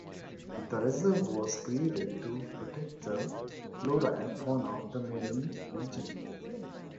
The reserve was created to protect the flora and fauna of the Maleny region.